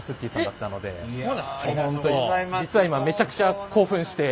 実は今めちゃくちゃ興奮して。